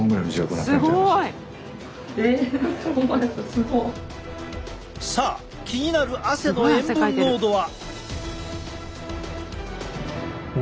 すごい！さあ気になる汗の塩分濃度は？